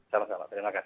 sama sama terima kasih